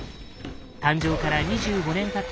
誕生から２５年たった